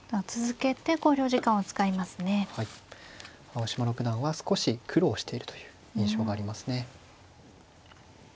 青嶋六段は少し苦労しているという印象がありますね。